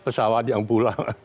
pesawat yang pulang